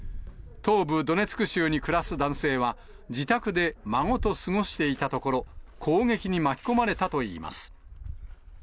東部ドネツク州に暮らす男性は、自宅で孫と過ごしていたところ、攻撃に巻き込まれたといいます。